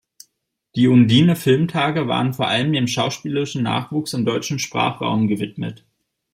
Die Undine-Filmtage waren vor allem dem schauspielerischen Nachwuchs im deutschen Sprachraum gewidmet.